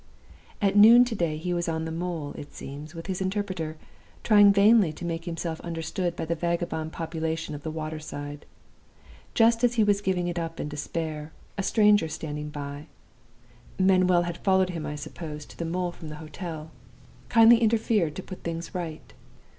"At noon to day he was on the Mole, it seems, with his interpreter, trying vainly to make himself understood by the vagabond population of the water side. Just as he was giving it up in despair, a stranger standing by (Manuel had followed him, I suppose, to the Mole from his hotel) kindly interfered to put things right.